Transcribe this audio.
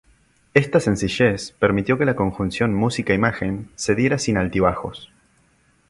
Esta sencillez permitió que la conjunción música-imagen se diera sin altibajos.